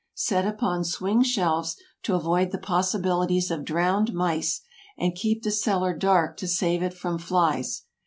Set upon swing shelves, to avoid the possibilities of drowned mice, and keep the cellar dark to save it from flies.